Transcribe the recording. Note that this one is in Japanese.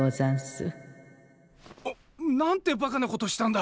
えっなんてバカなことしたんだ！